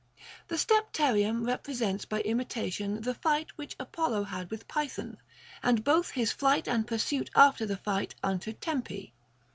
The Stepterium represents by imitation the fight which Apollo had with Python, and both his flight and pursuit after the fight unto Tempe.